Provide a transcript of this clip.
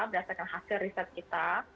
berdasarkan hasil riset kita